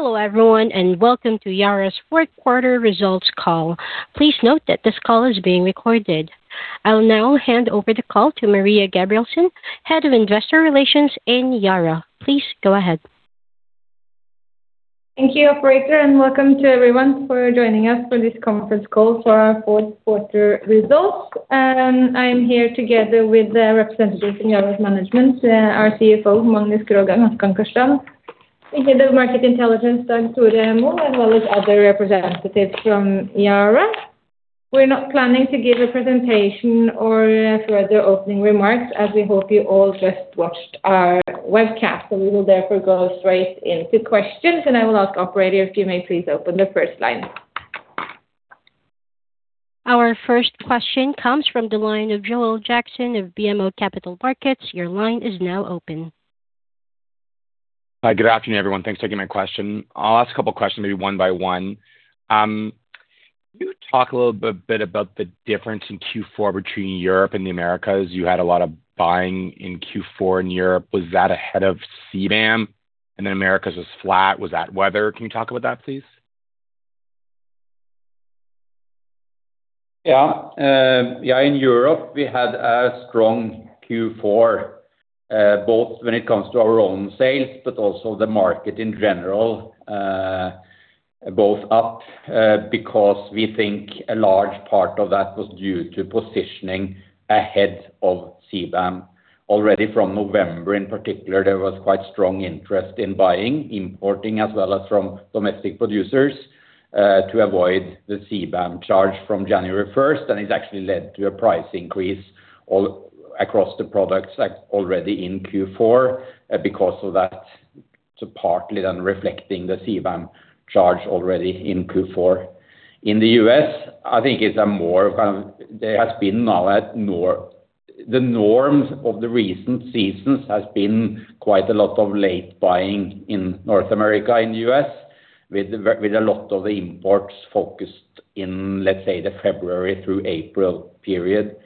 Hello everyone, and welcome to Yara's fourth quarter results call. Please note that this call is being recorded. I'll now hand over the call to Maria Gabrielsen, Head of Investor Relations in Yara. Please go ahead. Thank you, operator, and welcome to everyone for joining us for this conference call for our fourth quarter results. I am here together with the representatives in Yara's management, our CFO, Thor Giæver, our CEO, Svein Tore Holsether, the Head of Market Intelligence, Dag Tore Mo, as well as other representatives from Yara. We're not planning to give a presentation or further opening remarks, as we hope you all just watched our webcast. So we will therefore go straight into questions, and I will ask operator, if you may please open the first line. Our first question comes from the line of Joel Jackson of BMO Capital Markets. Your line is now open. Hi. Good afternoon, everyone. Thanks for taking my question. I'll ask a couple questions, maybe one by one. Can you talk a little bit about the difference in Q4 between Europe and the Americas? You had a lot of buying in Q4 in Europe. Was that ahead of CBAM, and then Americas was flat, was that weather? Can you talk about that, please? Yeah. Yeah, in Europe, we had a strong Q4, both when it comes to our own sales, but also the market in general, both up, because we think a large part of that was due to positioning ahead of CBAM. Already from November, in particular, there was quite strong interest in buying, importing as well as from domestic producers, to avoid the CBAM charge from January first. And it's actually led to a price increase all across the products, like, already in Q4, because of that, so partly then reflecting the CBAM charge already in Q4. In the U.S., I think it's more, there has been now the norm of the recent seasons has been quite a lot of late buying in North America and U.S., with the, with a lot of the imports focused in, let's say, the February through April period,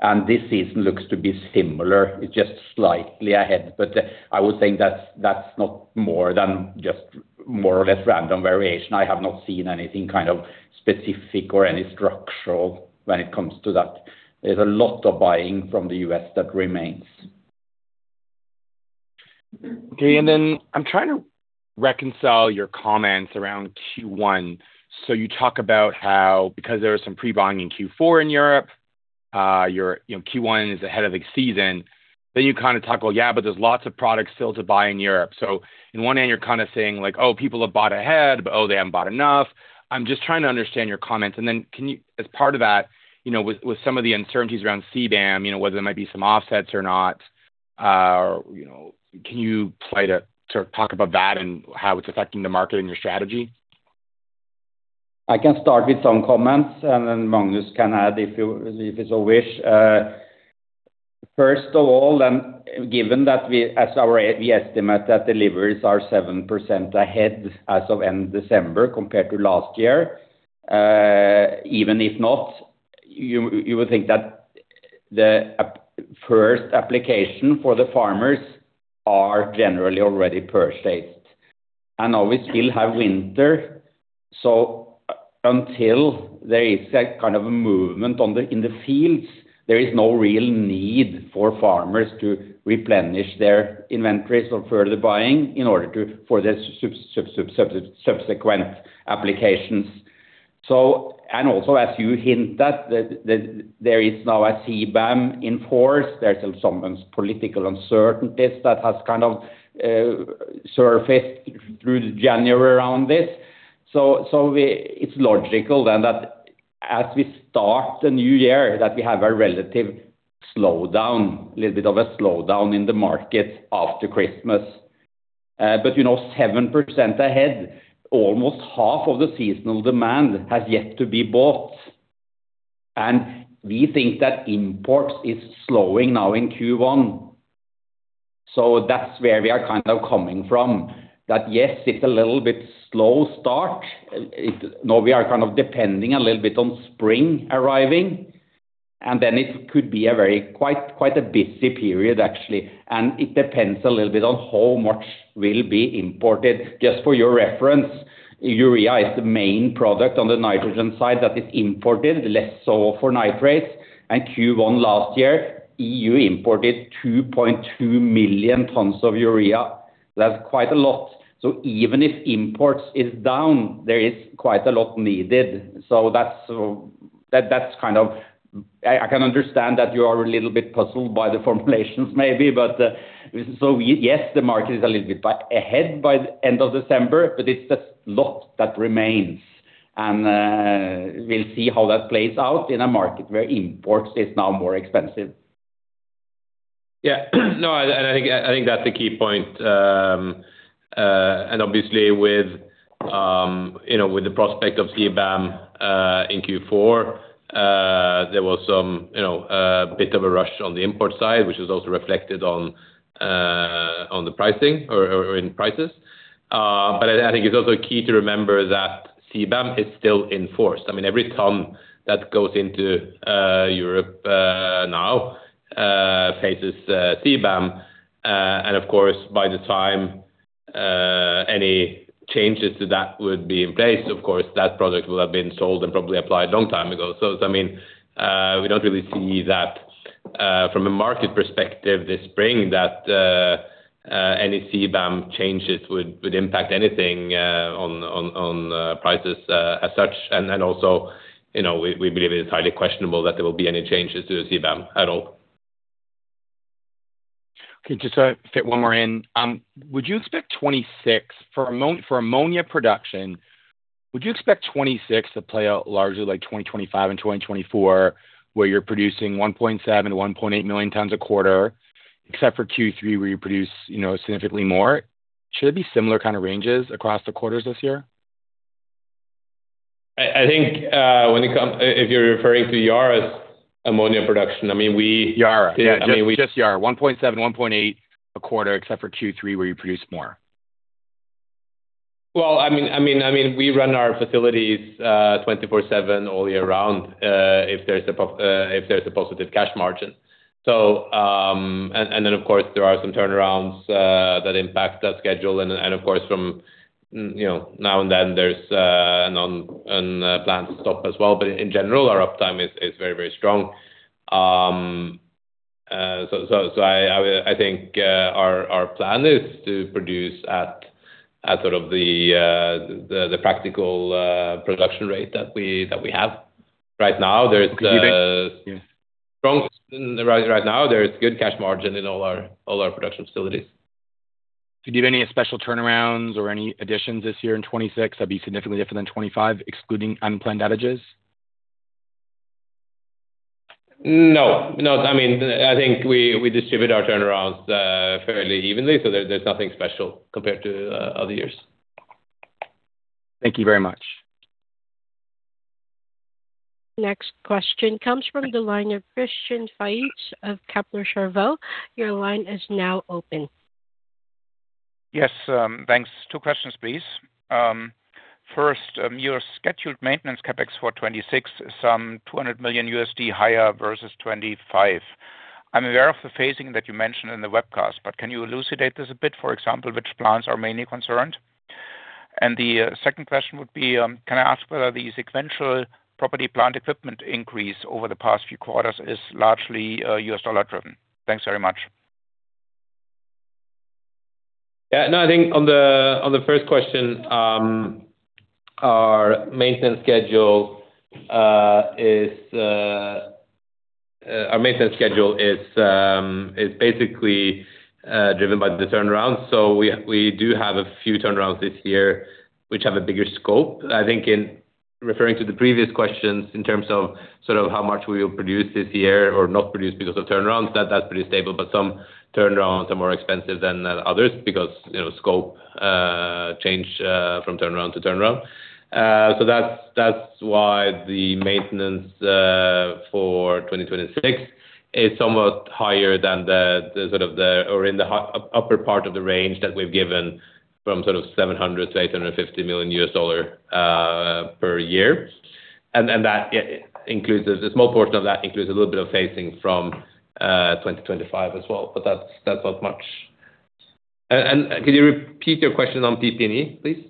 and this season looks to be similar. It's just slightly ahead, but, I would say that's, that's not more than just more or less random variation. I have not seen anything kind of specific or any structural when it comes to that. There's a lot of buying from the U.S. that remains. Okay, and then I'm trying to reconcile your comments around Q1. So you talk about how, because there was some pre-buying in Q4 in Europe, your, you know, Q1 is ahead of the season. Then you kind of talk, well, yeah, but there's lots of products still to buy in Europe. So on one hand you're kind of saying like, "Oh, people have bought ahead, but oh, they haven't bought enough." I'm just trying to understand your comments, and then can you, as part of that, you know, with, with some of the uncertainties around CBAM, you know, whether there might be some offsets or not, you know, can you try to sort of talk about that and how it's affecting the market and your strategy? I can start with some comments, and then Magnus can add if it's your wish. First of all, and given that we estimate that deliveries are 7% ahead as of end December, compared to last year. Even if not, you would think that the first application for the farmers are generally already purchased, and now we still have winter, so until there is a kind of movement in the fields, there is no real need for farmers to replenish their inventories or further buying in order to, for the subsequent applications. So, also, as you hint, that there is now a CBAM in force. There's some political uncertainties that has kind of surfaced through January around this. So, so we, it's logical then that as we start the new year, that we have a relative slowdown, a little bit of a slowdown in the market after Christmas. But, you know, 7% ahead, almost half of the seasonal demand has yet to be bought, and we think that imports is slowing now in Q1. So that's where we are kind of coming from, that, yes, it's a little bit slow start. It... No, we are kind of depending a little bit on spring arriving, and then it could be a very, quite, quite a busy period, actually, and it depends a little bit on how much will be imported. Just for your reference, urea is the main product on the nitrogen side that is imported, less so for nitrates. And Q1 last year, EU imported 2.2 million tons of urea. That's quite a lot. So even if imports is down, there is quite a lot needed. So that's, that's kind of... I can understand that you are a little bit puzzled by the formulations, maybe. But, so yes, the market is a little bit back ahead by the end of December, but it's a lot that remains, and we'll see how that plays out in a market where imports is now more expensive. Yeah. No, I think that's the key point. And obviously with, you know, with the prospect of CBAM in Q4, there was some, you know, a bit of a rush on the import side, which is also reflected on the pricing or in prices. But I think it's also key to remember that CBAM is still in force. I mean, every ton that goes into Europe now-... faces CBAM. And of course, by the time any changes to that would be in place, of course, that product will have been sold and probably applied long time ago. So, I mean, we don't really see that from a market perspective this spring, that any CBAM changes would impact anything on prices as such. And then also, you know, we believe it's highly questionable that there will be any changes to the CBAM at all. Okay, just to fit one more in. Would you expect 2026... for ammonia production, would you expect 2026 to play out largely like 2025 and 2024, where you're producing 1.7-1.8 million tons a quarter, except for Q3, where you produce, you know, significantly more? Should it be similar kind of ranges across the quarters this year? I think, if you're referring to Yara's ammonia production, I mean, we- Yara. Yeah, I mean, we- Just Yara, 1.7, 1.8 a quarter, except for Q3, where you produce more. Well, I mean, we run our facilities 24/7 all year round if there's a positive cash margin. So, of course, there are some turnarounds that impact that schedule. Of course, you know, now and then there's an unplanned stop as well. But in general, our uptime is very, very strong. So, I think our plan is to produce at sort of the practical production rate that we have. Right now, there's Okay, do you think? Strong. Right, right now, there's good cash margin in all our, all our production facilities. Do you have any special turnarounds or any additions this year in 2026 that'd be significantly different than 2025, excluding unplanned outages? No. No, I mean, I think we distribute our turnarounds fairly evenly, so there's nothing special compared to other years. Thank you very much. Next question comes from the line of Christian Faitz of Kepler Cheuvreux. Your line is now open. Yes, thanks. Two questions, please. First, your scheduled maintenance CapEx for 2026 is some $200 million higher versus 2025. I'm aware of the phasing that you mentioned in the webcast, but can you elucidate this a bit? For example, which plants are mainly concerned? And the second question would be, can I ask whether the sequential property plant equipment increase over the past few quarters is largely US dollar driven? Thanks very much. Yeah, no, I think on the, on the first question, our maintenance schedule is basically driven by the turnarounds. So we do have a few turnarounds this year, which have a bigger scope. I think in referring to the previous questions in terms of sort of how much we will produce this year or not produce because of turnarounds, that's pretty stable. But some turnarounds are more expensive than others because, you know, scope change from turnaround to turnaround. So that's why the maintenance for 2026 is somewhat higher than the sort of the upper part of the range that we've given from sort of $700 million-$850 million per year. And that includes a small portion of that includes a little bit of phasing from 2025 as well, but that's not much. And could you repeat your question on PP&E, please?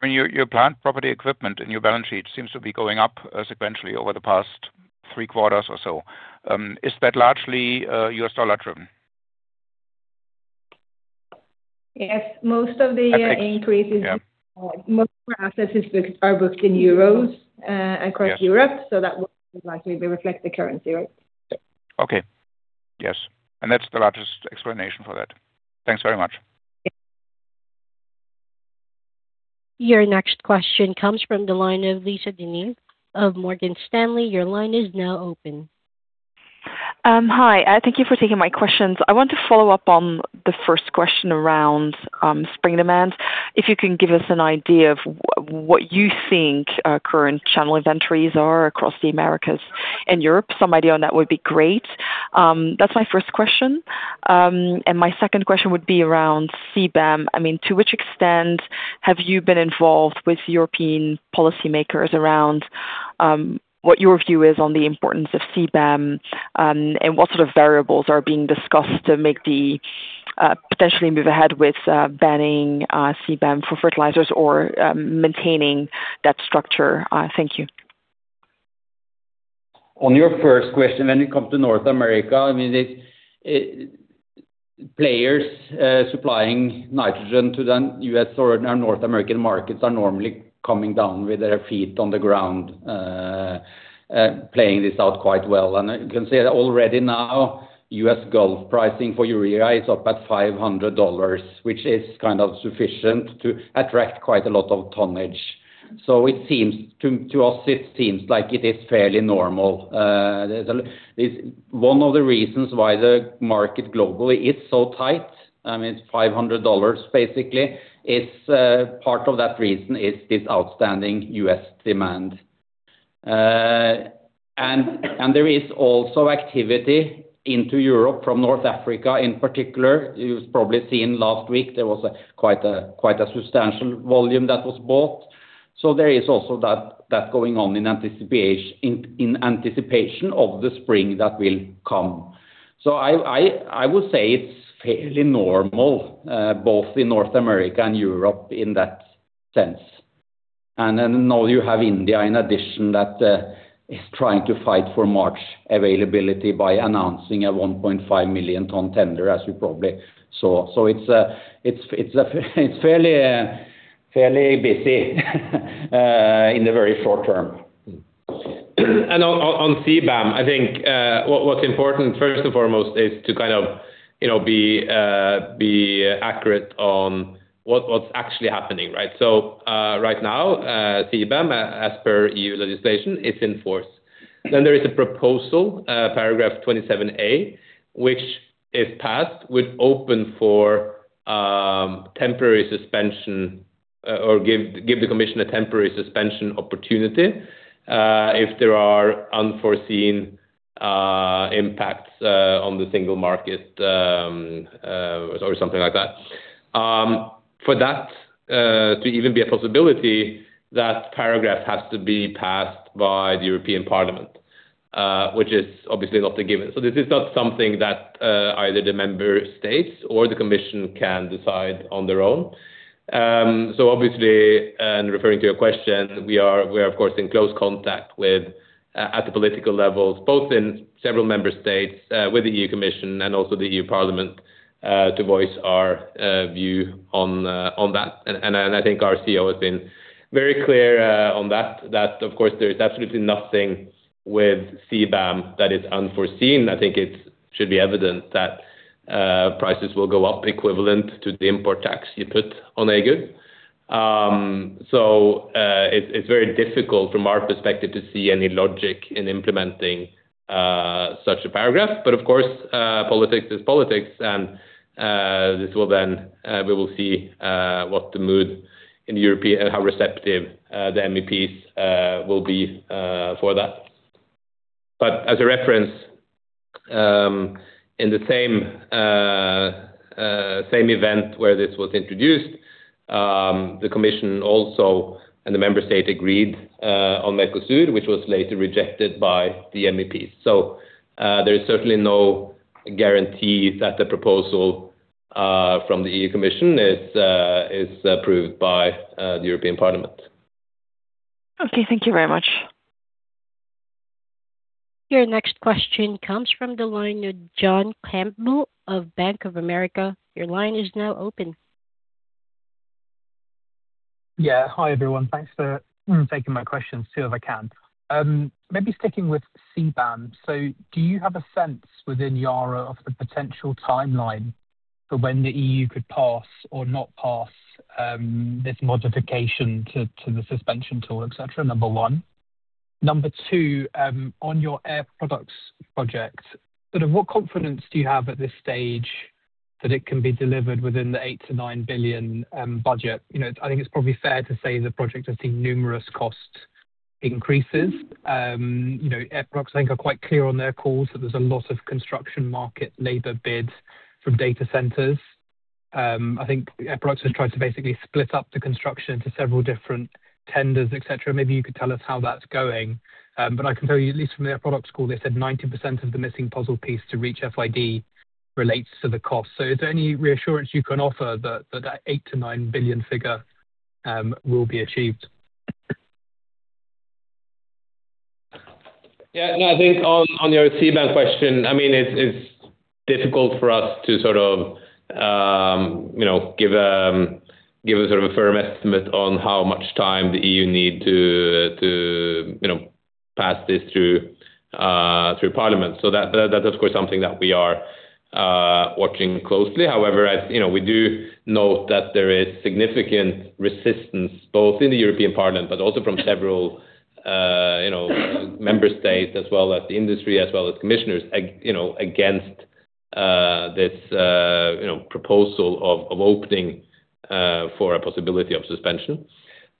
When your property, plant and equipment in your balance sheet seems to be going up sequentially over the past three quarters or so, is that largely U.S. dollar driven? Yes. Most of the increases- Yeah. Most of our assets is, are booked in euros across Europe- Yeah. So that would likely reflect the currency, right? Okay. Yes. And that's the largest explanation for that. Thanks very much. Your next question comes from the line of Lisa De Neve of Morgan Stanley. Your line is now open. Hi, thank you for taking my questions. I want to follow up on the first question around spring demand. If you can give us an idea of what you think current channel inventories are across the Americas and Europe? Some idea on that would be great. That's my first question. And my second question would be around CBAM. I mean, to which extent have you been involved with European policymakers around what your view is on the importance of CBAM? And what sort of variables are being discussed to make the potentially move ahead with banning CBAM for fertilizers or maintaining that structure? Thank you. On your first question, when it comes to North America, I mean, players supplying nitrogen to the US or North American markets are normally coming down with their feet on the ground, playing this out quite well. And you can see that already now, US Gulf pricing for urea is up at $500, which is kind of sufficient to attract quite a lot of tonnage. So it seems to us, it seems like it is fairly normal. One of the reasons why the market globally is so tight, it's $500 basically, is part of that reason is this outstanding US demand.... And there is also activity into Europe from North Africa in particular. You've probably seen last week there was quite a substantial volume that was bought. So there is also that going on in anticipation of the spring that will come. So I would say it's fairly normal, both in North America and Europe in that sense. And then now you have India, in addition, that is trying to fight for March availability by announcing a 1.5 million ton tender, as you probably saw. So it's fairly busy in the very short term. On CBAM, I think what's important, first and foremost, is to kind of, you know, be accurate on what's actually happening, right? So, right now, CBAM, as per EU legislation, is in force. Then there is a proposal, paragraph 27A, which, if passed, would open for temporary suspension, or give the Commission a temporary suspension opportunity, if there are unforeseen impacts on the single market, or something like that. For that to even be a possibility, that paragraph has to be passed by the European Parliament, which is obviously not a given. So this is not something that either the Member States or the Commission can decide on their own. So, obviously, referring to your question, we are, of course, in close contact at the political levels, both in several member states, with the EU Commission and also the EU Parliament, to voice our view on that. And, I think our CEO has been very clear on that, that of course, there is absolutely nothing with CBAM that is unforeseen. I think it should be evident that prices will go up equivalent to the import tax you put on a good. So, it's very difficult from our perspective to see any logic in implementing such a paragraph. But of course, politics is politics, and this will then... we will see what the mood in European and how receptive the MEPs will be for that. But as a reference, in the same event where this was introduced, the Commission also, and the member state agreed on Mercosur, which was later rejected by the MEPs. So, there is certainly no guarantee that the proposal from the EU Commission is approved by the European Parliament. Okay, thank you very much. Your next question comes from the line of John Campbell of Bank of America. Your line is now open. Yeah. Hi, everyone. Thanks for taking my questions, 2, if I can. Maybe sticking with CBAM. So do you have a sense within Yara of the potential timeline for when the EU could pass or not pass this modification to the suspension tool, et cetera? Number one. Number two, on your Air Products project, sort of what confidence do you have at this stage that it can be delivered within the $8 billion-$9 billion budget? You know, I think it's probably fair to say the project has seen numerous cost increases. You know, Air Products, I think, are quite clear on their calls that there's a lot of construction market labor bids from data centers. I think Air Products has tried to basically split up the construction into several different tenders, et cetera. Maybe you could tell us how that's going. I can tell you, at least from the Air Products call, they said 90% of the missing puzzle piece to reach FID relates to the cost. So is there any reassurance you can offer that, that $8 billion-$9 billion figure will be achieved? Yeah, no, I think on, on your CBAM question, I mean, it's, it's difficult for us to sort of, you know, give a, give a sort of a firm estimate on how much time the EU need to, to, you know, pass this through, through Parliament. So that, that's of course, something that we are, watching closely. However, as you know, we do note that there is significant resistance, both in the European Parliament but also from several, you know, member states, as well as the industry, as well as Commissioners, you know, against, this, you know, proposal of, of opening, for a possibility of suspension.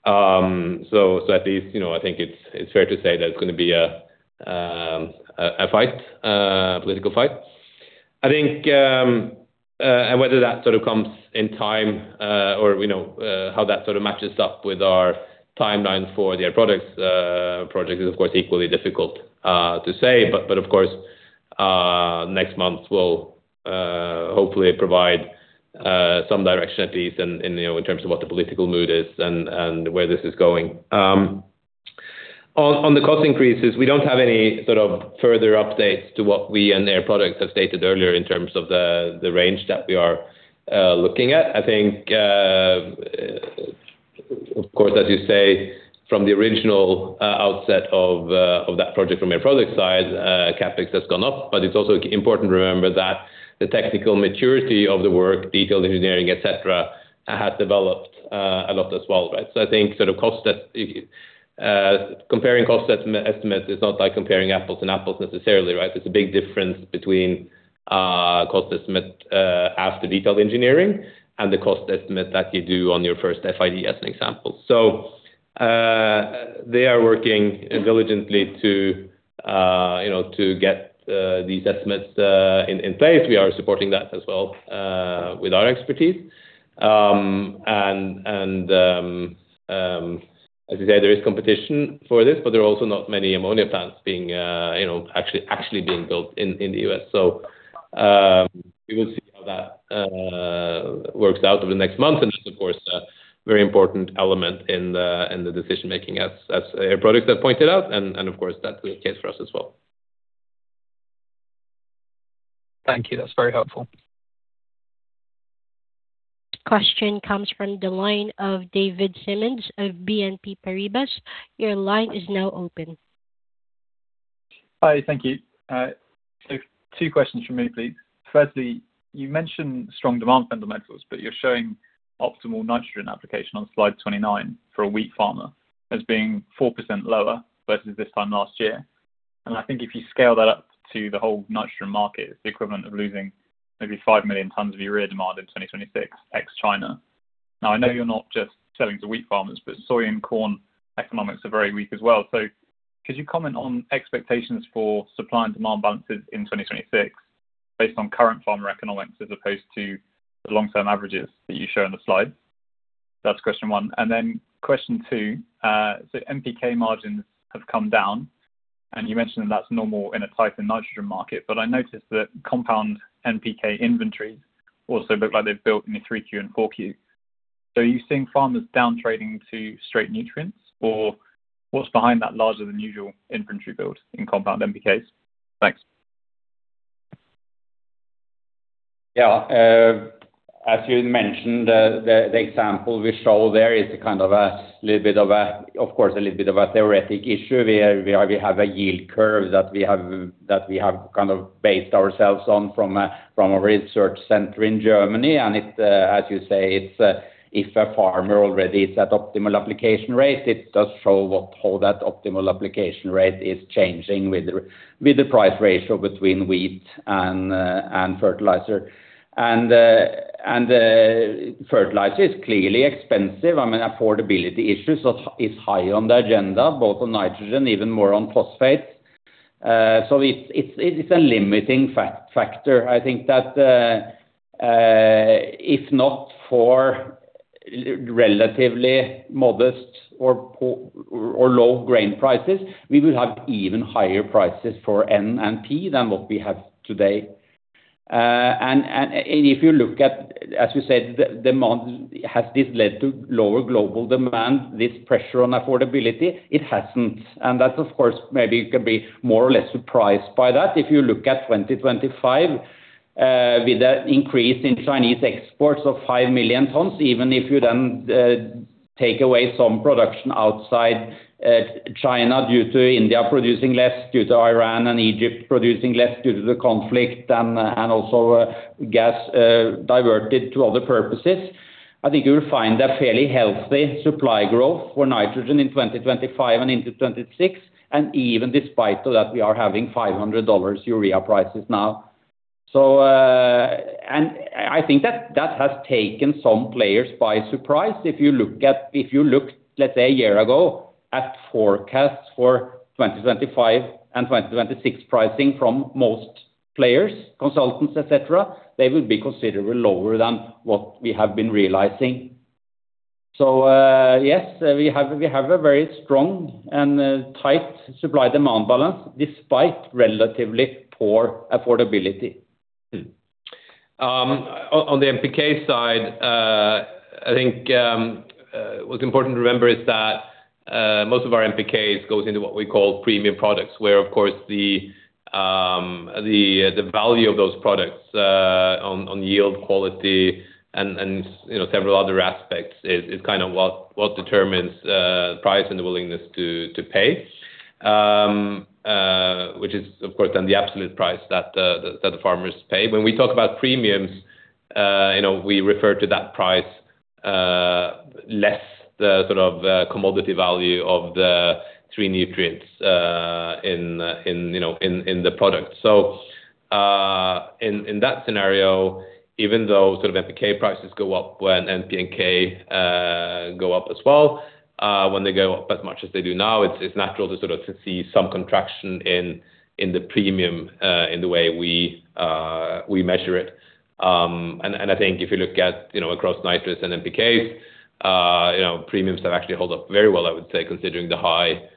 So, so at least, you know, I think it's, it's fair to say that it's gonna be a, a fight, a political fight. I think, and whether that sort of comes in time, or, you know, how that sort of matches up with our timeline for the Air Products project is of course equally difficult, to say. But of course, next month will hopefully provide some direction at least in, you know, in terms of what the political mood is and where this is going. On the cost increases, we don't have any sort of further updates to what we and Air Products have stated earlier in terms of the range that we are looking at. I think, of course, as you say, from the original outset of that project from Air Products side, CapEx has gone up, but it's also important to remember that the technical maturity of the work, detailed engineering, et cetera, has developed a lot as well, right? So I think sort of cost estimates—comparing cost estimates is not like comparing apples and apples necessarily, right? There's a big difference between cost estimate after detailed engineering and the cost estimate that you do on your first FID, as an example. So, they are working diligently to, you know, to get these estimates in place. We are supporting that as well with our expertise. As you say, there is competition for this, but there are also not many ammonia plants being, you know, actually being built in the US. So, we will see how that works out over the next month, and that's, of course, a very important element in the decision-making, as Svein Tore Holsether pointed out, and of course, that's the case for us as well. Thank you. That's very helpful. Question comes from the line of David Simmons of BNP Paribas. Your line is now open. Hi, thank you. So 2 questions from me, please. Firstly, you mentioned strong demand fundamentals, but you're showing optimal nitrogen application on slide 29 for a wheat farmer, as being 4% lower versus this time last year. I think if you scale that up to the whole nitrogen market, it's the equivalent of losing maybe 5 million tons of urea demand in 2026, ex-China. Now, I know you're not just selling to wheat farmers, but soy and corn economics are very weak as well. So could you comment on expectations for supply and demand balances in 2026, based on current farmer economics, as opposed to the long-term averages that you show on the slide? That's question one. And then question 2, so NPK margins have come down, and you mentioned that's normal in a tight nitrogen market, but I noticed that compound NPK inventories also look like they've built in the 3Q and 4Q. So are you seeing farmers downtrading to straight nutrients, or what's behind that larger than usual inventory build in compound NPKs? Thanks. Yeah, as you mentioned, the example we show there is kind of a little bit of a, of course, a little bit of a theoretic issue. We have a yield curve that we have kind of based ourselves on from a research center in Germany. And it, as you say, it's if a farmer already is at optimal application rate, it does show what all that optimal application rate is changing with the price ratio between wheat and fertilizer. And fertilizer is clearly expensive. I mean, affordability issues are, is high on the agenda, both on nitrogen, even more on phosphate. So it's a limiting factor. I think that, if not for relatively modest or poor, or low grain prices, we will have even higher prices for N and P than what we have today. And if you look at, as you said, the demand, has this led to lower global demand, this pressure on affordability? It hasn't, and that's, of course, maybe you can be more or less surprised by that. If you look at 2025, with that increase in Chinese exports of 5 million tons, even if you then take away some production outside China due to India producing less, due to Iran and Egypt producing less due to the conflict and also gas diverted to other purposes, I think you will find a fairly healthy supply growth for nitrogen in 2025 and into 2026, and even despite of that, we are having $500 urea prices now. So, and I think that has taken some players by surprise. If you look, let's say, a year ago at forecasts for 2025 and 2026 pricing from most players, consultants, et cetera, they would be considerably lower than what we have been realizing. So, yes, we have a very strong and tight supply-demand balance, despite relatively poor affordability. On the NPK side, I think what's important to remember is that most of our NPKs goes into what we call premium products, where of course the value of those products on yield quality and you know several other aspects is kind of what determines the price and the willingness to pay. Which is of course then the absolute price that the farmers pay. When we talk about premiums, you know, we refer to that price less the sort of commodity value of the three nutrients in you know in the product. So, in that scenario, even though sort of NPK prices go up when NPK go up as well, when they go up as much as they do now, it's natural to sort of see some contraction in the premium, in the way we measure it. And I think if you look at, you know, across nitrates and NPKs, you know, premiums have actually held up very well, I would say, considering the high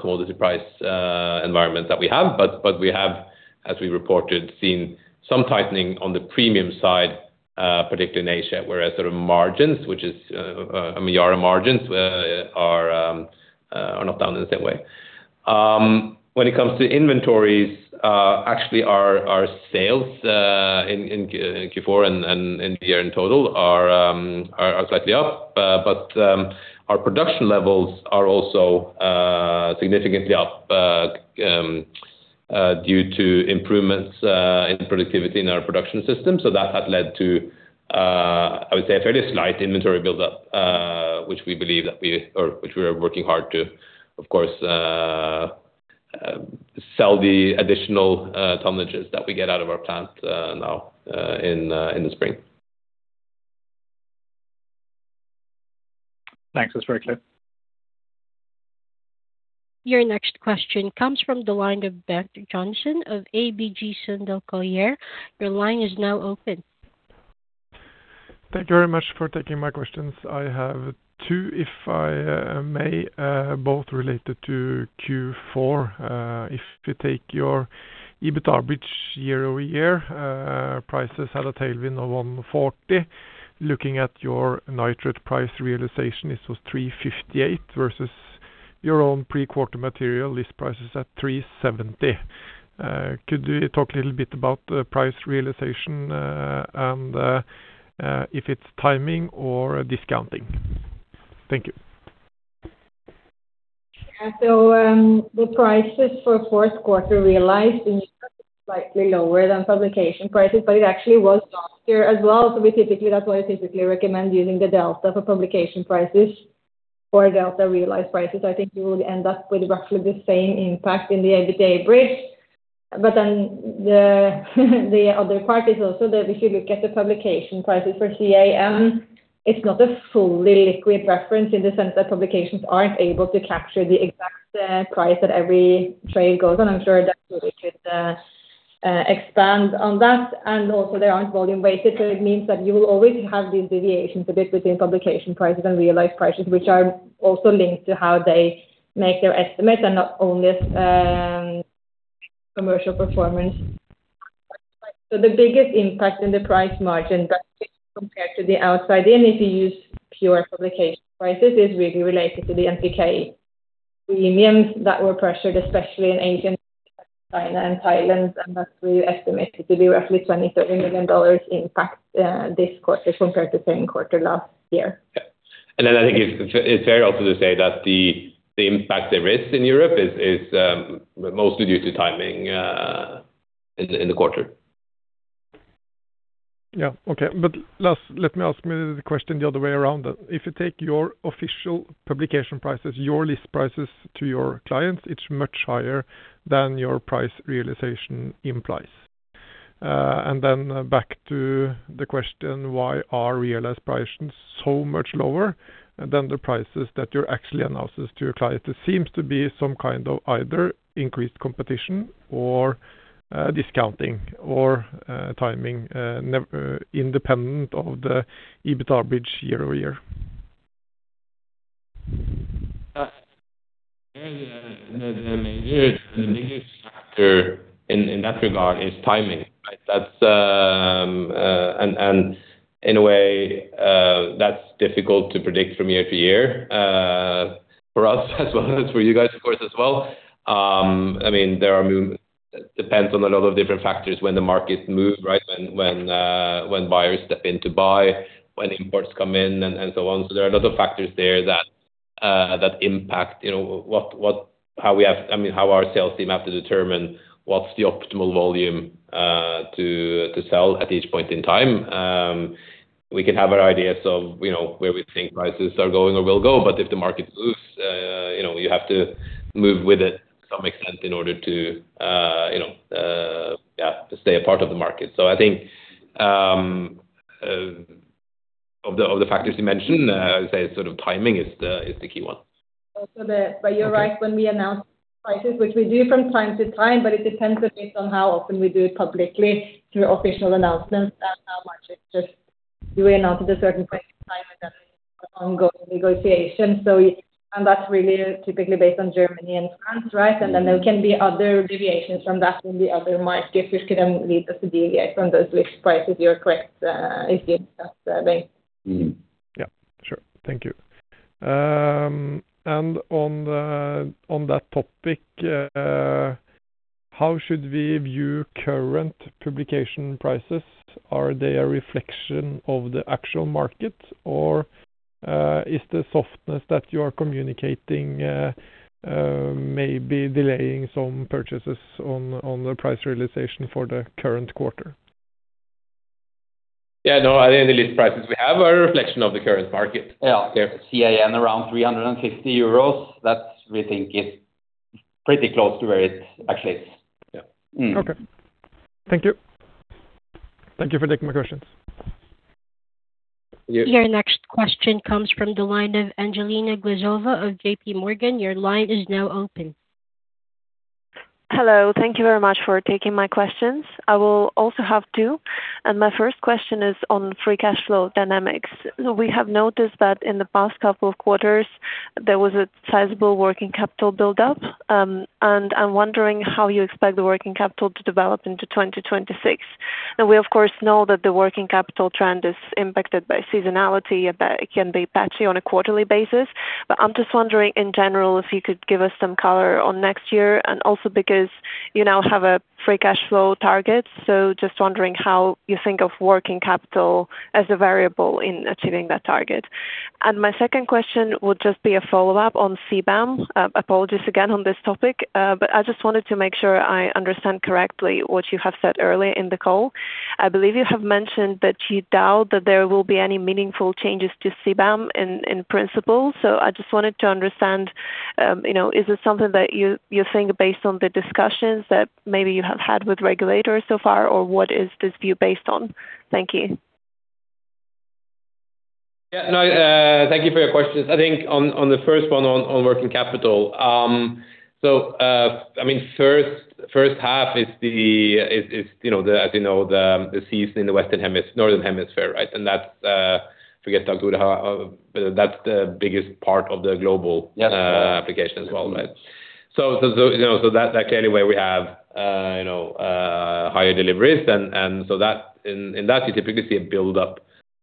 commodity price environment that we have. But we have, as we reported, seen some tightening on the premium side, particularly in Asia, whereas sort of margins, which is, I mean, Yara margins, are not down in the same way. When it comes to inventories, actually, our sales in Q4 and in the year in total are slightly up. But our production levels are also significantly up due to improvements in productivity in our production system. So that has led to—I would say a fairly slight inventory buildup, which we believe that we, or which we are working hard to, of course, sell the additional tonnages that we get out of our plant now in the spring. Thanks. That's very clear. Your next question comes from the line of Bengt Jonassen of ABG Sundal Collier. Your line is now open. Thank you very much for taking my questions. I have two, if I may, both related to Q4. If you take your EBIT bridge year-over-year, prices had a tailwind of $140. Looking at your nitrate price realization, it was 358 versus your own pre-quarter material list price is at 370. Could you talk a little bit about the price realization and if it's timing or discounting? Thank you. Yeah. So, the prices for fourth quarter realized is slightly lower than publication prices, but it actually was last year as well. So we typically, that's why I typically recommend using the delta for publication prices or delta realized prices. I think you would end up with roughly the same impact in the EBITDA bridge. But then, the other part is also that if you look at the publication prices for CAN, it's not a fully liquid reference in the sense that publications aren't able to capture the exact price that every trade goes on. I'm sure that we could expand on that, and also there aren't volume weighted, so it means that you will always have these deviations a bit between publication prices and realized prices, which are also linked to how they make their estimates and not only commercial performance. The biggest impact in the price margin compared to the outside in, if you use pure publication prices, is really related to the NPK premiums that were pressured, especially in Asia, China, and Thailand, and that we estimate it to be roughly $20 million-$30 million impact this quarter compared to same quarter last year. Yeah. And then I think it's fair also to say that the impact there is in Europe is mostly due to timing in the quarter. Yeah. Okay. But last, let me ask the question the other way around then. If you take your official publication prices, your list prices to your clients, it's much higher than your price realization implies. And then back to the question, why are realized prices so much lower than the prices that you're actually announcing to your clients? It seems to be some kind of either increased competition or discounting or timing, independent of the EBIT bridge year over year. The biggest factor in that regard is timing, right? That's in a way difficult to predict from year to year for us as well as for you guys, of course, as well. I mean, depends on a lot of different factors when the markets move, right? When buyers step in to buy, when imports come in and so on. So there are a lot of factors there that impact, you know, what how we have... I mean, how our sales team have to determine what's the optimal volume to sell at each point in time. We can have our ideas of, you know, where we think prices are going or will go, but if the market moves, you know, you have to move with it to some extent in order to, you know, to stay a part of the market. So I think, of the factors you mentioned, I would say sort of timing is the key one. But you're right, when we announce prices, which we do from time to time, but it depends a bit on how often we do it publicly through official announcements and how much it's just we announce at a certain point in time ongoing negotiations. So and that's really typically based on Germany and France, right? And then there can be other deviations from that in the other markets, which can lead us to deviate from those list prices you're correct, if you ask that way. Mm-hmm. Yeah, sure. Thank you. And on the, on that topic, how should we view current publication prices? Are they a reflection of the actual market, or, is the softness that you are communicating, maybe delaying some purchases on the price realization for the current quarter? Yeah, no, I think the list prices we have are a reflection of the current market. Yeah. CAN around 350 euros, that we think is pretty close to where it actually is. Yeah. Okay. Thank you. Thank you for taking my questions. Your next question comes from the line of Angelina Glazova of J.P. Morgan. Your line is now open. Hello, thank you very much for taking my questions. I will also have two, and my first question is on free cash flow dynamics. We have noticed that in the past couple of quarters, there was a sizable working capital buildup, and I'm wondering how you expect the working capital to develop into 2026. And we, of course, know that the working capital trend is impacted by seasonality, but it can be patchy on a quarterly basis. But I'm just wondering in general, if you could give us some color on next year, and also because you now have a free cash flow target. So just wondering how you think of working capital as a variable in achieving that target. And my second question would just be a follow-up on CBAM. Apologies again on this topic, but I just wanted to make sure I understand correctly what you have said earlier in the call. I believe you have mentioned that you doubt that there will be any meaningful changes to CBAM in, in principle. So I just wanted to understand, you know, is this something that you, you're saying based on the discussions that maybe you have had with regulators so far, or what is this view based on? Thank you. Yeah. No, thank you for your questions. I think on the first one on working capital. So, I mean, first half is, you know, the season in the Western Hemisphere, Northern Hemisphere, right? And that's, forget to talk about how, that's the biggest part of the global- Yes. Application as well, right? So, you know, so that's clearly where we have, you know, higher deliveries and so that. In that, you typically see a buildup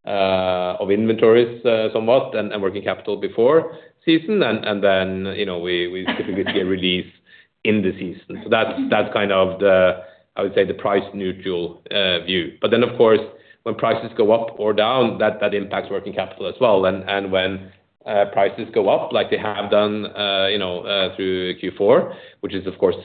of inventories somewhat and working capital before season and then, you know, we typically see a release in the season. So that's kind of the, I would say, the price-neutral view. But then, of course, when prices go up or down, that impacts working capital as well. And when prices go up, like they have done, you know, through Q4, which is, of course,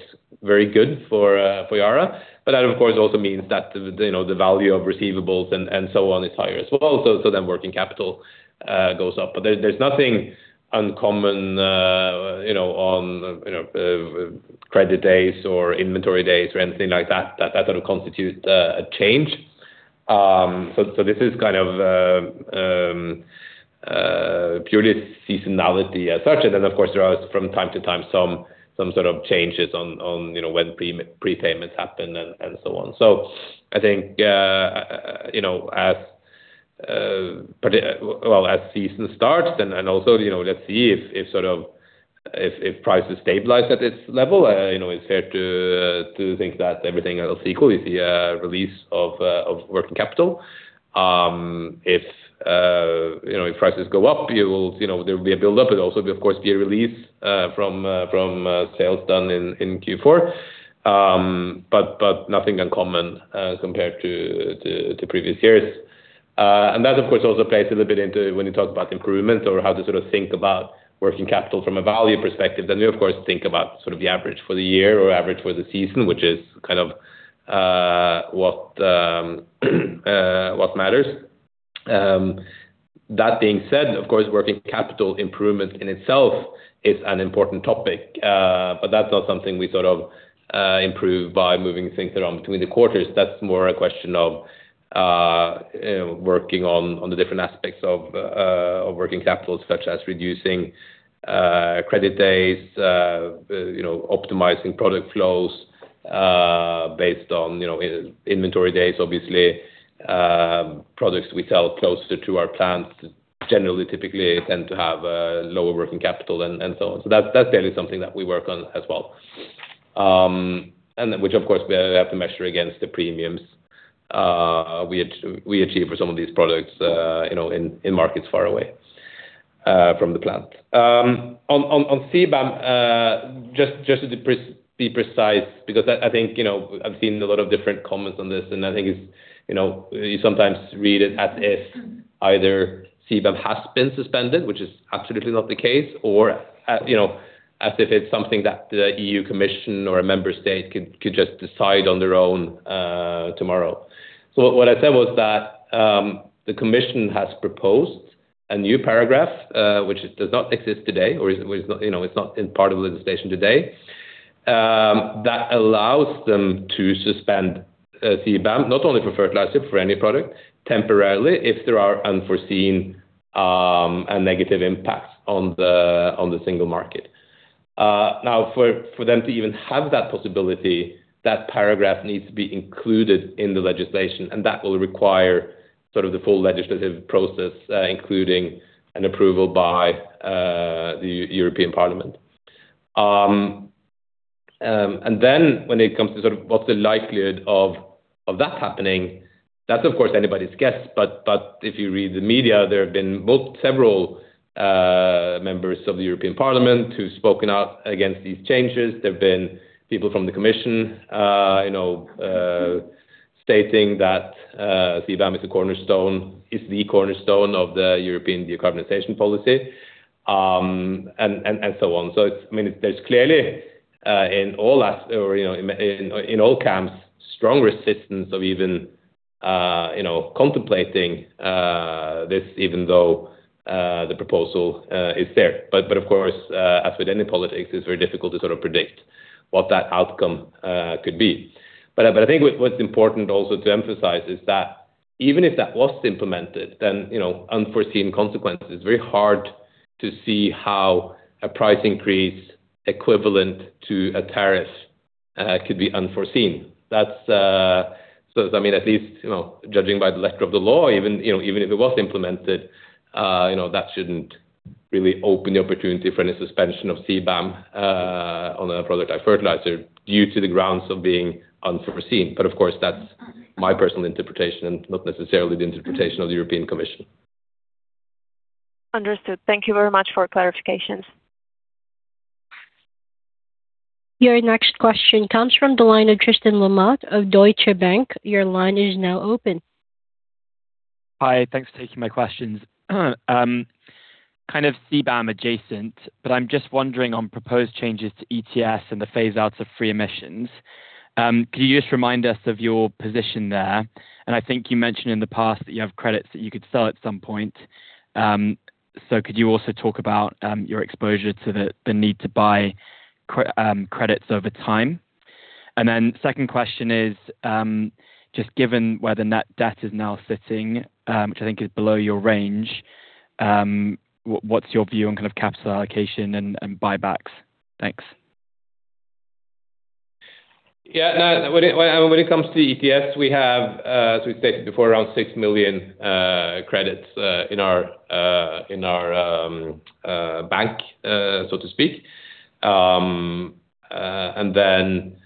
very good for Yara. But that, of course, also means that the, you know, the value of receivables and so on is higher as well, so then working capital goes up. But there, there's nothing uncommon, you know, on, you know, credit days or inventory days or anything like that, that, that sort of constitutes a change. So, so this is kind of purely seasonality as such. And then, of course, there are, from time to time, some sort of changes on, you know, when prepayments happen and so on. So I think, you know, as, but, well, as season starts, and also, you know, let's see if sort of prices stabilize at this level, you know, it's fair to think that everything else equal, you see a release of working capital. If you know, if prices go up, you will, you know, there will be a buildup, but also, of course, a release from sales done in Q4. But nothing uncommon compared to previous years. And that, of course, also plays a little bit into when you talk about improvement or how to sort of think about working capital from a value perspective. Then you, of course, think about sort of the average for the year or average for the season, which is kind of what matters. That being said, of course, working capital improvement in itself is an important topic, but that's not something we sort of improve by moving things around between the quarters. That's more a question of working on the different aspects of working capital, such as reducing credit days, you know, optimizing product flows based on, you know, inventory days, obviously, products we sell closer to our plant generally typically tend to have lower working capital and so on. So that's clearly something that we work on as well. And which, of course, we have to measure against the premiums we achieve for some of these products, you know, in markets far away from the plant. On CBAM, just to pres... Be precise, because I think, you know, I've seen a lot of different comments on this, and I think it's, you know, you sometimes read it as if either CBAM has been suspended, which is absolutely not the case, or you know, as if it's something that the EU Commission or a member state could just decide on their own, tomorrow. So what I said was that the Commission has proposed a new paragraph, which does not exist today, or is, you know, it's not in part of the legislation today, that allows them to suspend CBAM, not only for fertilizer, for any product, temporarily if there are unforeseen and negative impacts on the on the single market. Now, for them to even have that possibility, that paragraph needs to be included in the legislation, and that will require sort of the full legislative process, including an approval by the European Parliament. And then when it comes to sort of what's the likelihood of that happening, that's of course anybody's guess, but if you read the media, there have been both several members of the European Parliament who've spoken out against these changes. There have been people from the Commission, you know, stating that CBAM is a cornerstone, is the cornerstone of the European decarbonization policy, and so on. So, I mean, there's clearly in all as, or, you know, in all camps, strong resistance of even you know contemplating this, even though the proposal is fair. But of course, as with any politics, it's very difficult to sort of predict what that outcome could be. But I think what's important also to emphasize is that even if that was implemented, then, you know, unforeseen consequences, it's very hard to see how a price increase equivalent to a tariff could be unforeseen. That's... So, I mean, at least, you know, judging by the letter of the law, even, you know, even if it was implemented, you know, that shouldn't really open the opportunity for any suspension of CBAM on a product like fertilizer, due to the grounds of being unforeseen. But of course, that's my personal interpretation and not necessarily the interpretation of the European Commission. Understood. Thank you very much for clarifications. ... Your next question comes from the line of Tristan Lamotte of Deutsche Bank. Your line is now open. Hi, thanks for taking my questions. Kind of CBAM adjacent, but I'm just wondering on proposed changes to ETS and the phase outs of free emissions. Could you just remind us of your position there? And I think you mentioned in the past that you have credits that you could sell at some point. So could you also talk about your exposure to the need to buy credits over time? And then second question is, just given where the net debt is now sitting, which I think is below your range, what's your view on kind of capital allocation and buybacks? Thanks. Yeah, no, when it comes to ETS, we have, as we stated before, around six million credits in our bank, so to speak. And then,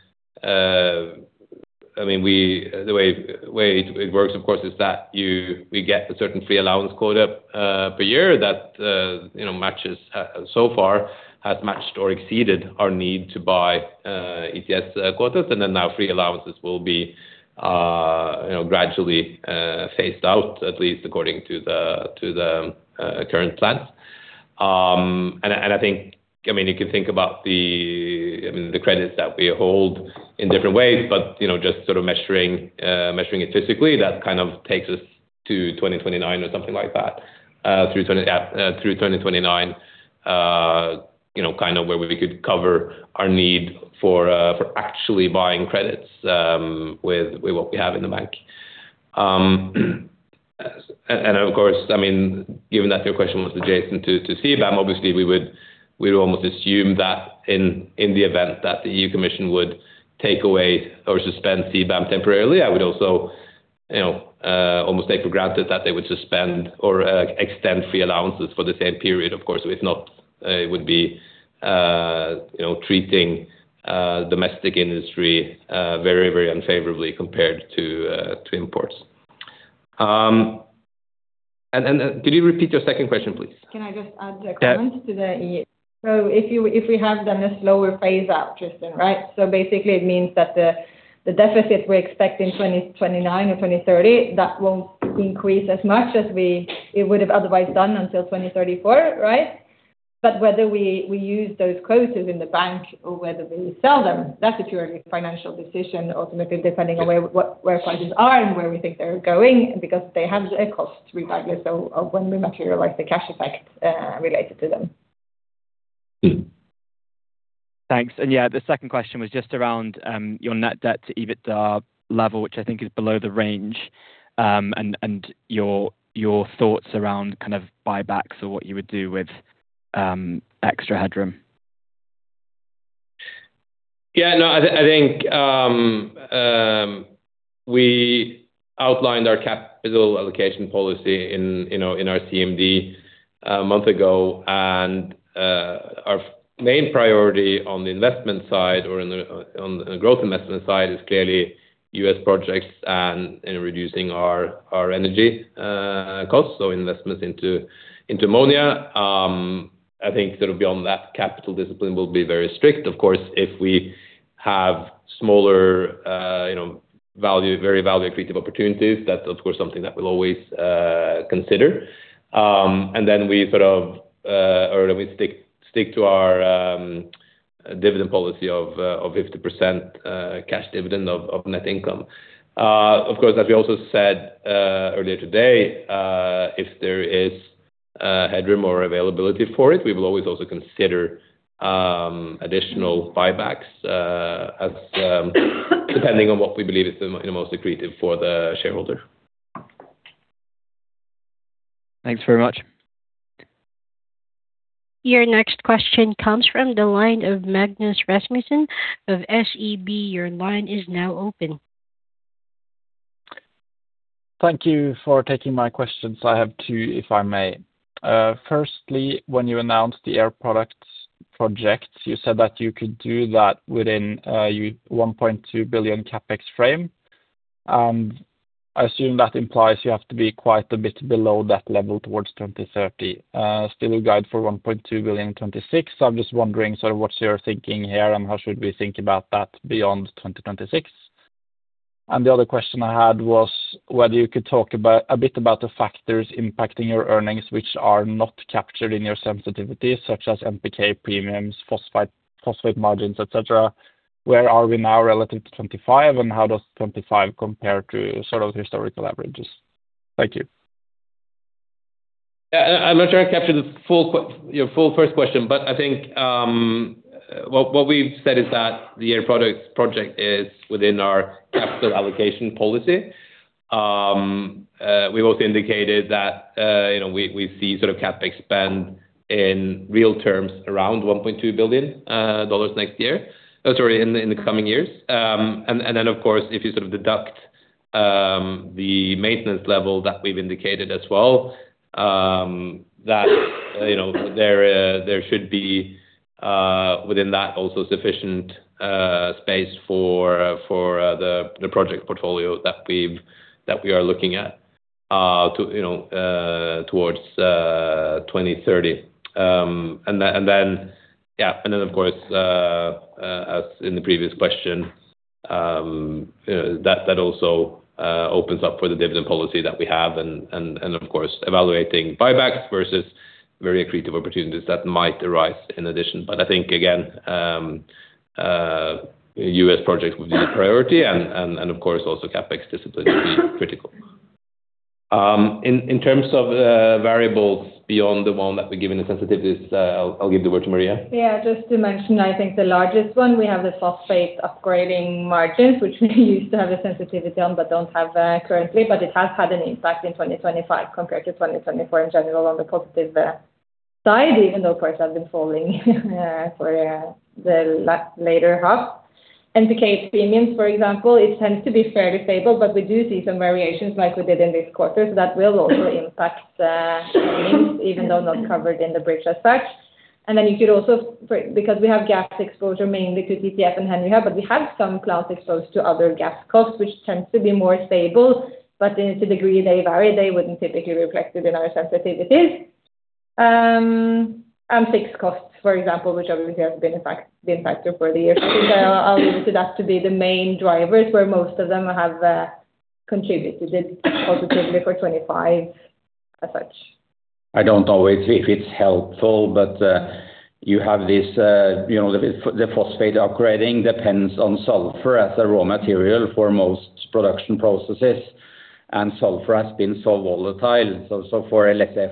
I mean, the way it works, of course, is that we get a certain free allowance quota per year that, you know, matches, so far has matched or exceeded our need to buy ETS quotas, and then now free allowances will be, you know, gradually phased out, at least according to the current plans. And I think, I mean, you can think about the credits that we hold in different ways, but, you know, just sort of measuring it physically, that kind of takes us to 2029 or something like that. Through 2029, you know, kind of where we could cover our need for actually buying credits, with what we have in the bank. And, of course, I mean, given that your question was adjacent to CBAM, obviously, we would, we'd almost assume that in the event that the EU Commission would take away or suspend CBAM temporarily, I would also, you know, almost take for granted that they would suspend or extend free allowances for the same period. Of course, if not, it would be, you know, treating domestic industry very, very unfavorably compared to imports. And could you repeat your second question, please? Can I just add a comment- Yeah. To the EU? So if you, if we have then a slower phase out, Tristan, right? So basically it means that the deficit we expect in 2029 or 2030, that won't increase as much as we-- it would have otherwise done until 2034, right? But whether we, we use those quotas in the bank or whether we sell them, that's a purely financial decision, ultimately depending on where, what, where prices are and where we think they're going, because they have a cost to be valued. So when we materialize the cash effect related to them. Hmm. Thanks. And yeah, the second question was just around your net debt to EBITDA level, which I think is below the range, and your thoughts around kind of buybacks or what you would do with extra headroom. Yeah, no, I think we outlined our capital allocation policy in, you know, in our CMD a month ago, and our main priority on the investment side or in the, on the growth investment side is clearly U.S. projects and in reducing our energy costs, so investments into ammonia. I think sort of beyond that, capital discipline will be very strict. Of course, if we have smaller, you know, value, very value accretive opportunities, that's of course something that we'll always consider. And then we sort of or we stick to our dividend policy of 50% cash dividend of net income. Of course, as we also said earlier today, if there is a headroom or availability for it, we will always also consider additional buybacks, as depending on what we believe is the most accretive for the shareholder. Thanks very much. Your next question comes from the line of Magnus Rasmussen of SEB. Your line is now open. Thank you for taking my questions. I have 2, if I may. Firstly, when you announced the Air Products project, you said that you could do that within your $1.2 billion CapEx frame. I assume that implies you have to be quite a bit below that level towards 2030. Still you guide for $1.2 billion in 2026. I'm just wondering, sort of, what's your thinking here, and how should we think about that beyond 2026? And the other question I had was whether you could talk about a bit about the factors impacting your earnings, which are not captured in your sensitivity, such as NPK premiums, phosphate, phosphate margins, et cetera. Where are we now relative to 2025, and how does 2025 compare to sort of historical averages? Thank you. Yeah, I'm not sure I captured the full, your full first question, but I think, what we've said is that the Air Products project is within our capital allocation policy. We both indicated that, you know, we see sort of CapEx spend in real terms, around $1.2 billion next year. Sorry, in the coming years. And then, of course, if you sort of deduct the maintenance level that we've indicated as well, that, you know, there should be within that also sufficient space for the project portfolio that we've, that we are looking at.... to, you know, towards 2030. And then, yeah, of course, as in the previous question, you know, that also opens up for the dividend policy that we have, and of course, evaluating buybacks versus very accretive opportunities that might arise in addition. But I think again, US projects would be the priority and of course, also CapEx discipline will be critical. In terms of variables beyond the one that we give in the sensitivities, I'll give the word to Maria. Yeah, just to mention, I think the largest one, we have the phosphate upgrading margins, which we used to have a sensitivity on but don't have currently, but it has had an impact in 2025 compared to 2024 in general, on the positive side, even though of course have been falling for the latter half. NPK premiums, for example, it tends to be fairly stable, but we do see some variations like we did in this quarter, so that will also impact even though not covered in the bridge as such. And then you could also because we have gas exposure, mainly to TTF and Henry Hub, but we have some plant exposed to other gas costs, which tends to be more stable, but to the degree they vary, they wouldn't typically be reflected in our sensitivities. And fixed costs, for example, which obviously have been a factor for the years. I think I'll leave it at to be the main drivers, where most of them have contributed positively for 2025 as such. I don't know if it's helpful, but you have this, you know, the phosphate upgrading depends on sulfur as a raw material for most production processes, and sulfur has been so volatile. So for, let's say,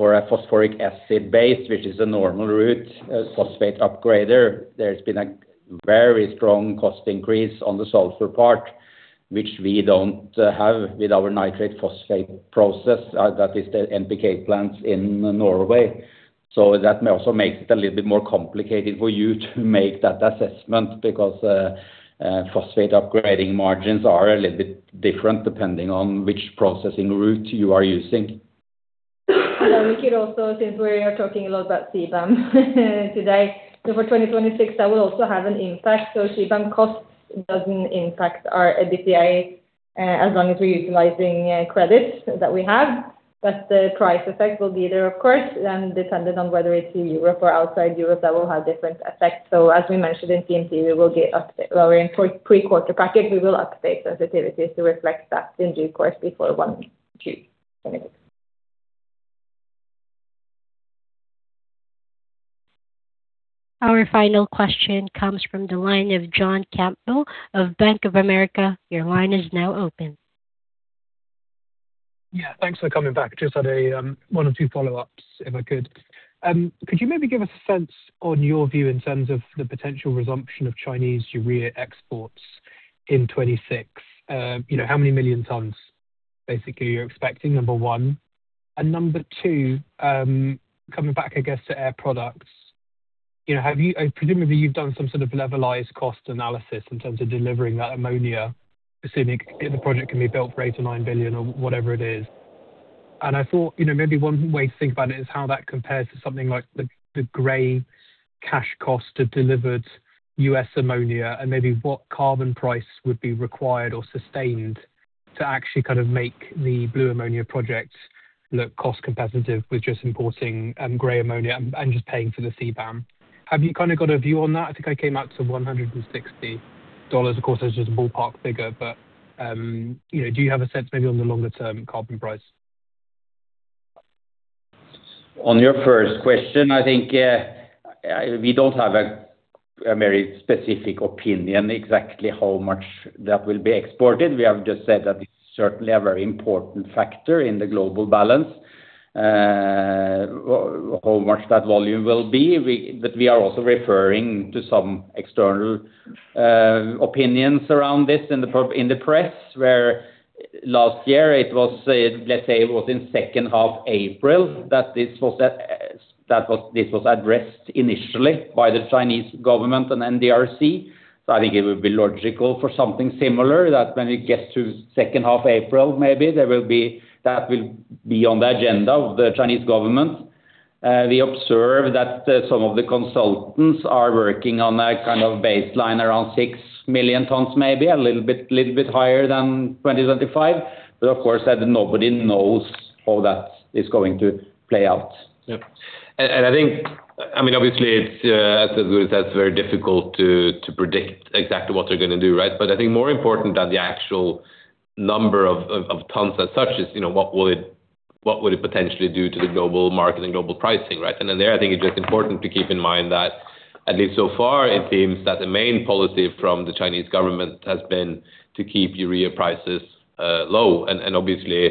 for a phosphoric acid base, which is a normal route, a phosphate upgrader, there's been a very strong cost increase on the sulfur part, which we don't have with our nitrate phosphate process. That is the NPK plants in Norway. So that may also make it a little bit more complicated for you to make that assessment, because phosphate upgrading margins are a little bit different depending on which processing route you are using. Yeah, we could also, since we are talking a lot about CBAM, today. So for 2026, that will also have an impact. So CBAM cost doesn't impact our EBITDA, as long as we're utilizing credits that we have, but the price effect will be there, of course, and dependent on whether it's in Europe or outside Europe, that will have different effects. So as we mentioned in CMD, we will get update, well, in pre-quarter package, we will update sensitivities to reflect that in due course before 1Q. Our final question comes from the line of John Campbell of Bank of America. Your line is now open. Yeah, thanks for coming back. Just had a one or two follow-ups, if I could. Could you maybe give a sense on your view in terms of the potential resumption of Chinese urea exports in 2026? You know, how many million tons, basically, you're expecting, number one. And number two, coming back, I guess, to Air Products, you know, have you—presumably, you've done some sort of levelized cost analysis in terms of delivering that ammonia, assuming the project can be built for $8 billion-$9 billion or whatever it is. And I thought, you know, maybe one way to think about it is how that compares to something like the, the gray cash cost of delivered US ammonia, and maybe what carbon price would be required or sustained to actually kind of make the blue ammonia projects look cost competitive with just importing, gray ammonia and, and just paying for the CBAM. Have you kind of got a view on that? I think I came out to $160. Of course, that's just a ballpark figure, but, you know, do you have a sense maybe on the longer-term carbon price? On your first question, I think we don't have a very specific opinion exactly how much that will be exported. We have just said that it's certainly a very important factor in the global balance, how much that volume will be. But we are also referring to some external opinions around this in the press, where last year it was, let's say it was in second half April, that this was addressed initially by the Chinese government and NDRC. So I think it would be logical for something similar, that when it gets to second half April, maybe there will be that will be on the agenda of the Chinese government. We observe that some of the consultants are working on a kind of baseline, around 6 million tons, maybe a little bit, little bit higher than 2025. But of course, that nobody knows how that is going to play out. Yeah. And I think, I mean, obviously, it's that's very difficult to predict exactly what they're gonna do, right? But I think more important than the actual number of tons as such is, you know, what will it potentially do to the global market and global pricing, right? And then I think it's just important to keep in mind that at least so far, it seems that the main policy from the Chinese government has been to keep urea prices low. And obviously,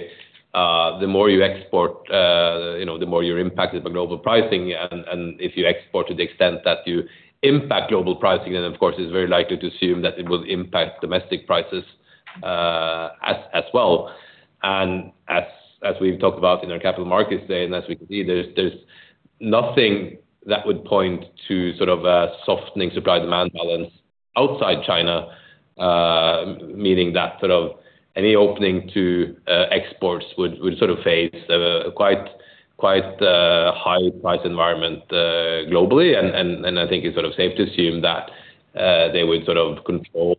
the more you export, you know, the more you're impacted by global pricing. And if you export to the extent that you impact global pricing, then, of course, it's very likely to assume that it will impact domestic prices as well. And as we've talked about in our Capital Markets Day, and as we can see, there's nothing that would point to sort of a softening supply-demand balance outside China, meaning that sort of any opening to exports would sort of face a quite high price environment globally. And I think it's sort of safe to assume that they would sort of control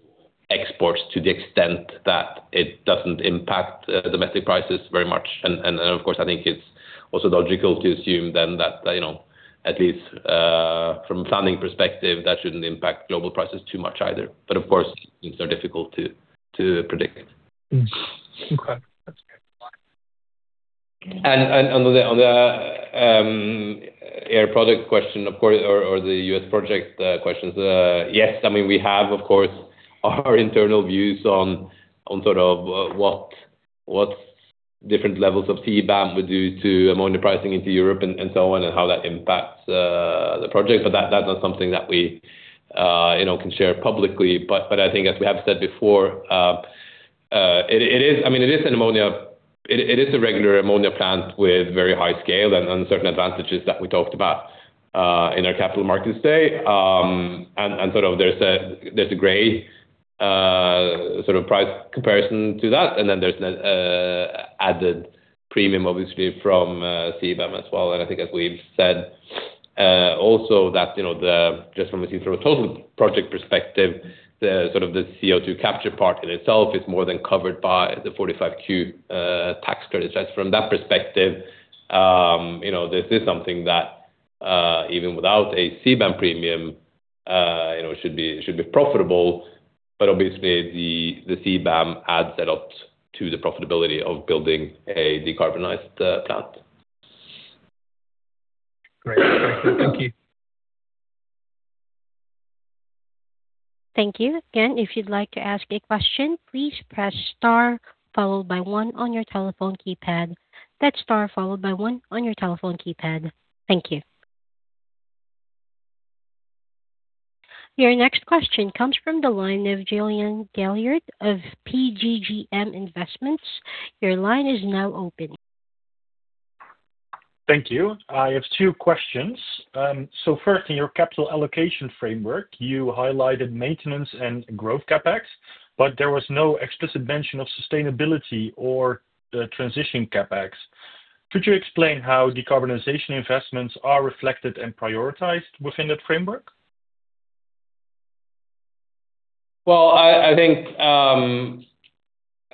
exports to the extent that it doesn't impact domestic prices very much. And of course, I think it's also logical to assume then that, you know, at least from a planning perspective, that shouldn't impact global prices too much either. But of course, things are difficult to predict. Mm. Okay, that's good. And on the Air Products project question, of course, or the US project questions, yes, I mean, we have, of course, our internal views on sort of what different levels of CBAM would do to ammonia pricing into Europe and so on, and how that impacts the project. But that's not something that we, you know, can share publicly. But I think as we have said before, it is... I mean, it is an ammonia, it is a regular ammonia plant with very high scale and inherent advantages that we talked about in our Capital Markets Day. And sort of there's a gray sort of price comparison to that, and then there's an added premium, obviously, from CBAM as well. I think as we've said, also that, you know, the, just from a, from a total project perspective, the sort of the CO₂ capture part in itself is more than covered by the 45Q tax credit. Just from that perspective, you know, this is something that, even without a CBAM premium, you know, should be, should be profitable, but obviously the, the CBAM adds it up to the profitability of building a decarbonized, plant. Great. Thank you. Thank you. Again, if you'd like to ask a question, please press Star followed by one on your telephone keypad. That's Star followed by one on your telephone keypad. Thank you. Your next question comes from the line of Jillian Gaillard of PGGM Investments. Your line is now open. Thank you. I have two questions. First, in your capital allocation framework, you highlighted maintenance and growth CapEx, but there was no explicit mention of sustainability or the transition CapEx. Could you explain how decarbonization investments are reflected and prioritized within that framework? Well, I think,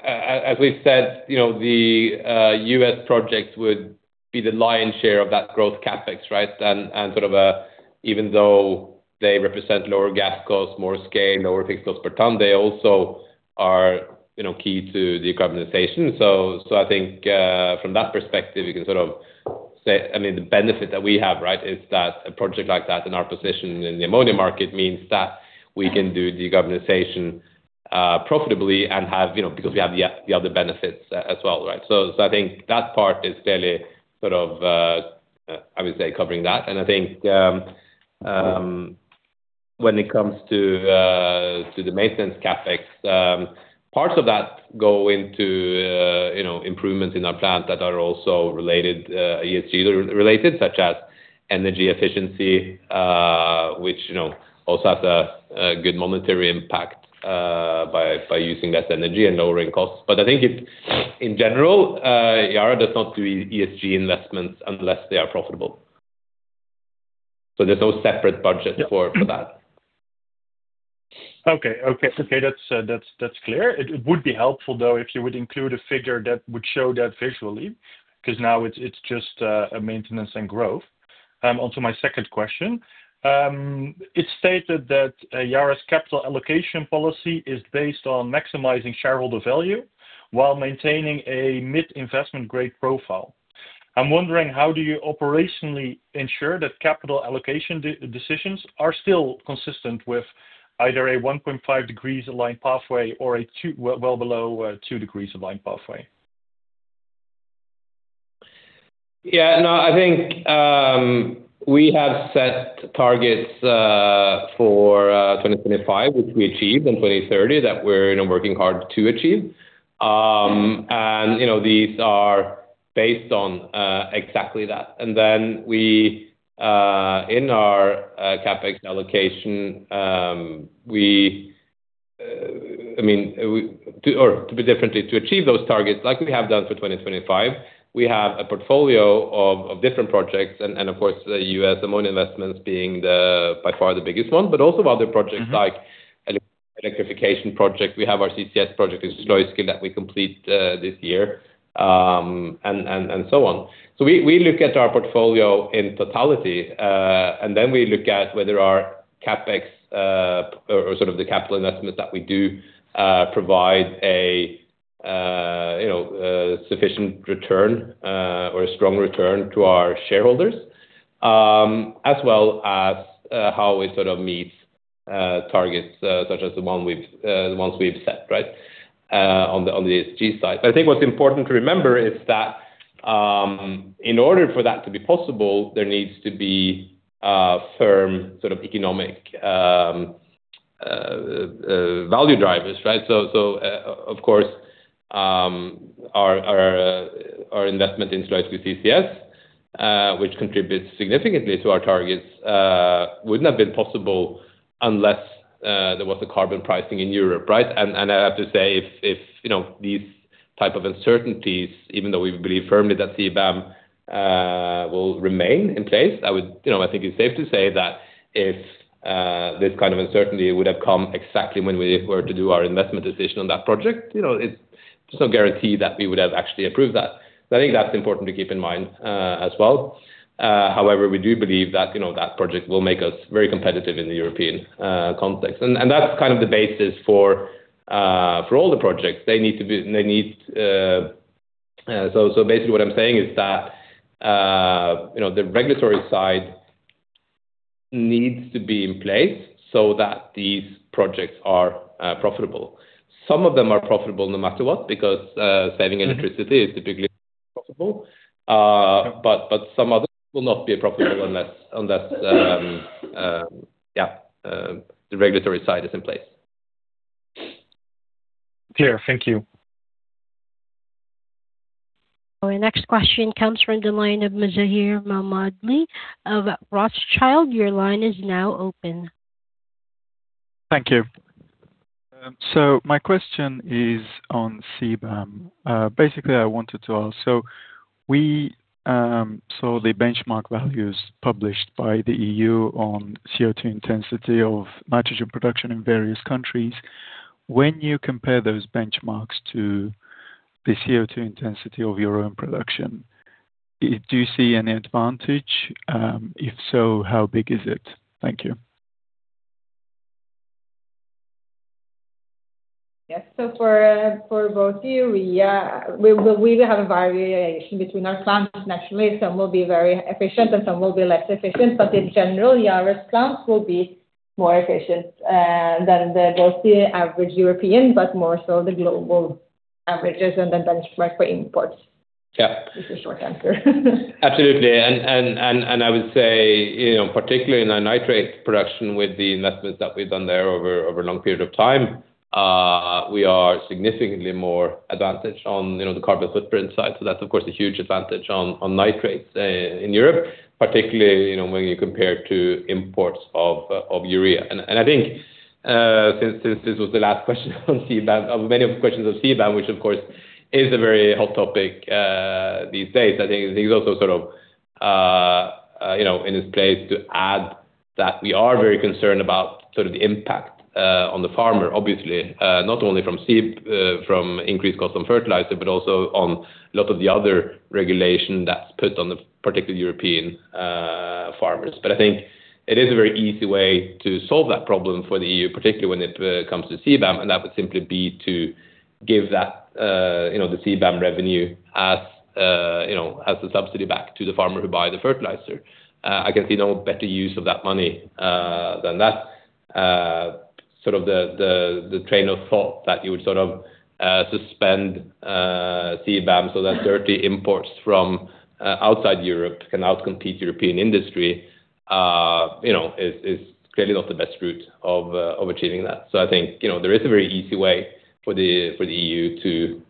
as we've said, you know, the U.S. projects would be the lion's share of that growth CapEx, right? And sort of even though they represent lower gas costs, more scale, lower fixed costs per ton, they also are, you know, key to decarbonization. So I think, from that perspective, you can sort of say, I mean, the benefit that we have, right, is that a project like that in our position in the ammonia market means that we can do decarbonization profitably and have, you know, because we have the other benefits as well, right? So I think that part is fairly sort of, I would say, covering that. And I think, when it comes to, to the maintenance CapEx, parts of that go into, you know, improvements in our plant that are also related, ESG related, such as energy efficiency, which, you know, also has a, a good monetary impact, by, by using less energy and lowering costs. But I think it, in general, Yara does not do ESG investments unless they are profitable. So there's no separate budget for, for that. Okay. Okay, okay, that's, that's, that's clear. It would be helpful, though, if you would include a figure that would show that visually, 'cause now it's, it's just, a maintenance and growth. Onto my second question. It stated that Yara's capital allocation policy is based on maximizing shareholder value while maintaining a mid-investment-grade profile. I'm wondering, how do you operationally ensure that capital allocation decisions are still consistent with either a 1.5 degrees aligned pathway or a 2... well below, 2 degrees aligned pathway? Yeah. No, I think we have set targets for 2025, which we achieved, and 2030, that we're, you know, working hard to achieve. And, you know, these are based on exactly that. And then we in our CapEx allocation, we, I mean, or to put differently, to achieve those targets, like we have done for 2025, we have a portfolio of different projects, and of course, the US ammonia investments being by far the biggest one, but also other projects- Mm-hmm. like electrification project. We have our CCS project in Sluiskil that we complete this year, and so on. So we look at our portfolio in totality, and then we look at whether our CapEx or sort of the capital investments that we do provide a you know sufficient return or a strong return to our shareholders, as well as how we sort of meet targets such as the ones we've set, right, on the on the ESG side. But I think what's important to remember is that in order for that to be possible, there needs to be a firm sort of economic value drivers, right? So, of course, our investment in Sluiskil CCS, which contributes significantly to our targets, would not have been possible unless there was the carbon pricing in Europe, right? And I have to say, if, you know, these type of uncertainties, even though we believe firmly that CBAM will remain in place, I would, you know, I think it's safe to say that if this kind of uncertainty would have come exactly when we were to do our investment decision on that project, you know, it's just no guarantee that we would have actually approved that. So I think that's important to keep in mind, as well. However, we do believe that, you know, that project will make us very competitive in the European context. That's kind of the basis for all the projects they need to be. They need... So basically what I'm saying is that, you know, the regulatory side needs to be in place so that these projects are profitable. Some of them are profitable no matter what, because saving electricity is typically possible. But some others will not be profitable unless the regulatory side is in place. Clear. Thank you. Our next question comes from the line of Mazahir Mammadli of Redburn Rothschild. Your line is now open. Thank you. My question is on CBAM. Basically, I wanted to ask, so we saw the benchmark values published by the EU on CO₂ intensity of nitrogen production in various countries. When you compare those benchmarks to the CO₂ intensity of your own production, do you see any advantage? If so, how big is it? Thank you. Yes. So for both urea, we will have a variation between our plants naturally. Some will be very efficient, and some will be less efficient, but in general, Yara's plants will be more efficient than both the average European, but more so the global averages and the benchmark for imports. Yeah. It's a short answer. Absolutely. And I would say, you know, particularly in the nitrate production, with the investments that we've done there over a long period of time, we are significantly more advantaged on, you know, the carbon footprint side. So that's, of course, a huge advantage on nitrates in Europe, particularly, you know, when you compare to imports of urea. And I think, since this was the last question on CBAM, of many of the questions on CBAM, which, of course, is a very hot topic these days. I think it is also sort of, you know, in its place to add that we are very concerned about sort of the impact on the farmer, obviously, not only from CBAM, from increased cost on fertilizer, but also on a lot of the other regulation that's put on the, particularly European, farmers. But I think it is a very easy way to solve that problem for the EU, particularly when it comes to CBAM, and that would simply be to give that, you know, the CBAM revenue as, you know, as a subsidy back to the farmer who buy the fertilizer. I can see no better use of that money than that. Sort of the train of thought that you would sort of suspend CBAM so that dirty imports from outside Europe can outcompete European industry, you know, is clearly not the best route of achieving that. So I think, you know, there is a very easy way for the EU to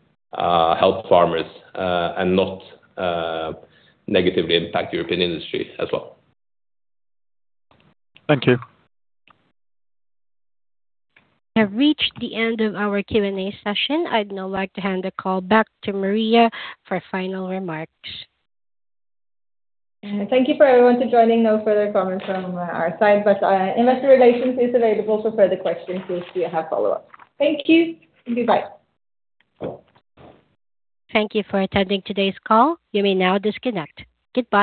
help farmers and not negatively impact European industry as well. Thank you. We have reached the end of our Q&A session. I'd now like to hand the call back to Maria for final remarks. Thank you to everyone for joining. No further comments from our side, but investor relations is available for further questions for those of you who have follow-up. Thank you, and goodbye. Thank you for attending today's call. You may now disconnect. Goodbye.